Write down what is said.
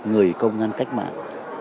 người công an cách mạng